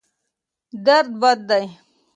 درد بد دی.